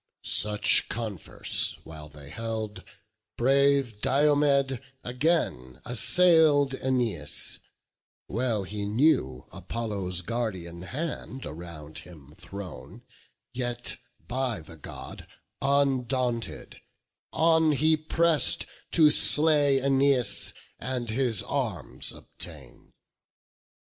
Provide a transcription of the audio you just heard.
Such converse while they held, brave Diomed Again assail'd Æneas; well he knew Apollo's guardian hand around him thrown; Yet by the God undaunted, on he press'd To slay Æneas, and his arms obtain.